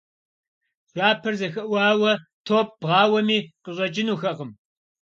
Пшапэр зэхэуауэ, топ бгъауэми, къыщӀэкӀынухэкъым.